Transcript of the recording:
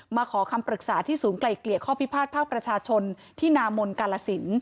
ขอคำปรึกษาที่ศูนย์ไกล่เกลี่ยข้อพิพาทภาคประชาชนที่นามนกาลสิน